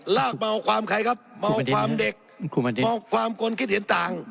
ลากเบาความใครครับเมาความเด็กเมาความคนคิดเห็นต่าง